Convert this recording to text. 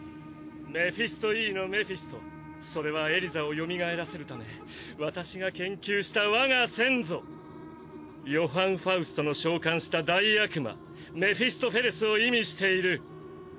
メフィスト・Ｅのメフィストそれはエリザをよみがえらせるため私が研究した我が先祖ヨハン・ファウストの召喚した大悪魔メフィストフェレスを意味している。